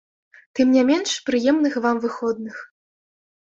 Тым не менш, прыемных вам выходных!